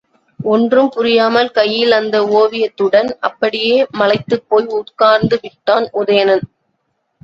ஒன்றும் புரியாமல் கையில் அந்த ஒவியத்துடன் அப்படியே மலைத்துப்போய் உட்கார்ந்து விட்டான் உதயணன்.